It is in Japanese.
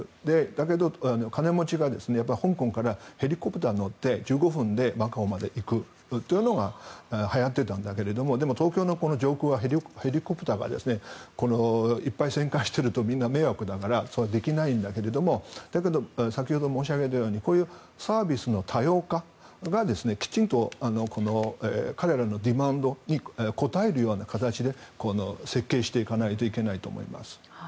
だけど金持ちが香港からヘリコプターに乗って１５分でマカオまで行くというのがはやっていたんだけどもでも東京の上空はヘリコプターがいっぱい旋回しているとみんな迷惑だからそれはできないんだけど先ほど申し上げたようにこういうサービスの多様化がきちんと彼らのディマンドに応えるような形で設計していかないといけないと思います。